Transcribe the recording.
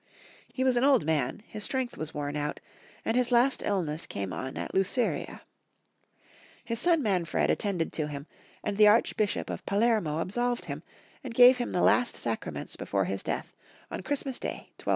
He was an old man, his strength was worn out, and his last illness came on at Luceria. His son Manfred attended to him, and the Archbishop of Palermo absolved him, and gave him the last sacraments before his death on Christ mas day, 1250.